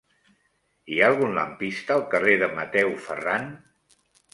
Hi ha algun lampista al carrer de Mateu Ferran?